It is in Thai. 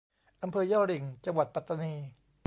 อำเภอยะหริ่ง จังหวัดปัตตานี